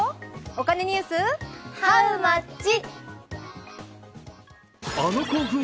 お金ニュース、ハウマッチ！